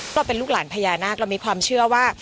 เราเป็นลูกหลานพญานาคเรามีความเชื่อว่า